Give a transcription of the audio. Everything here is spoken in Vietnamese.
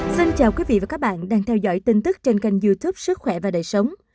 xin chào quý vị và các bạn đang theo dõi tin tức trên kênh youtube sức khỏe và đời sống